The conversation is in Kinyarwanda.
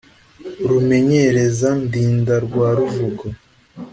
rumenyereza-ndinda rwa ruvugo